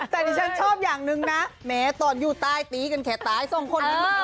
แต่ที่ฉันชอบอย่างนึงนะแหมตอนอยู่ใต้ตีกันแขกตายสองคน